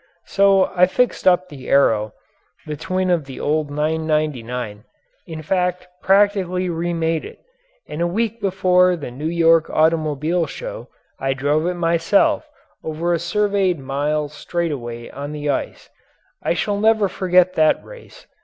So I fixed up the "Arrow," the twin of the old "999" in fact practically remade it and a week before the New York Automobile show I drove it myself over a surveyed mile straightaway on the ice. I shall never forget that race.